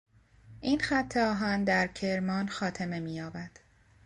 این خط آهن در کرمان خاتمه مییابد.